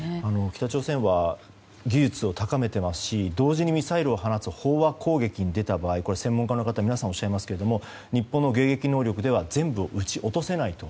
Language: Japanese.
北朝鮮は技術を高めていますし同時にミサイルを放つ飽和攻撃に出た場合専門家の方皆さんおっしゃいますが日本の迎撃能力では全部撃ち落とせないと。